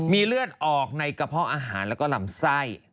มีเลือดออกในกระเพาะอาหารแล้วก็ลำไส้